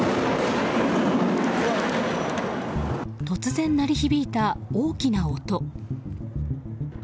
突然鳴り響いた大きな音。